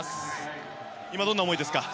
今、どんな思いですか？